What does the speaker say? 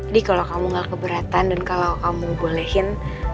di kalau kamu gak keberatan dan kalau kamu bolehin